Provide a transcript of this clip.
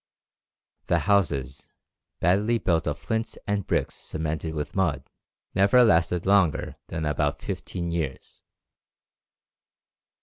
The houses, badly built of flints and bricks cemented with mud, never last longer than about fifteen years."